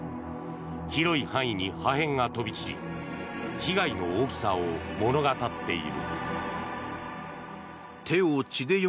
広い範囲に破片が飛び散り被害の大きさを物語っている。